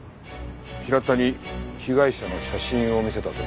平田に被害者の写真を見せた時。